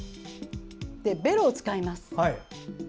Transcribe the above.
ベロを使います。